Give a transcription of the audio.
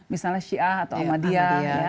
misalnya syiah atau ahmadiyah